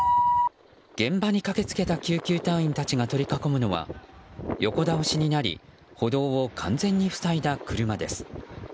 現場に駆け付けた救急隊員たちが取り囲むのは横倒しになり歩道を完全に塞いだ車です。